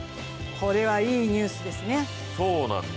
これはいいニュースですね。